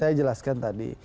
saya jelaskan tadi